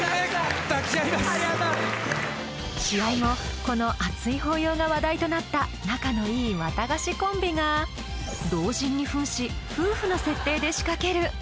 試合後この熱い抱擁が話題となった仲のいいワタガシコンビが老人に扮し夫婦の設定で仕掛ける！